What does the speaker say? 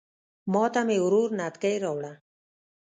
ماته مې ورور نتکۍ راوړه